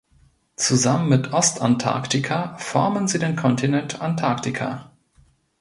Zusammen mit Ostantarktika formen sie den Kontinent Antarktika.